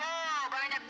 oke kamu jangan jangan